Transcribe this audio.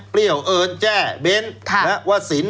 เปรี้ยวเอิญแจ้เบ้นและว่าสิน